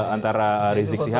antara rizik sihab